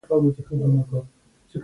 عدالت د اقتصاد توازن ساتي.